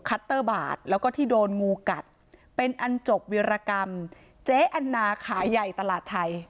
เตอร์บาทแล้วก็ที่โดนงูกัดเป็นอันจบวิรกรรมเจ๊อันนาขายใหญ่ตลาดไทย